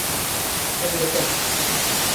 Entretén.